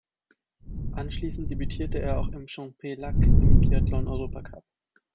Anschließend debütierte er auch in Champex-Lac im Biathlon-Europacup.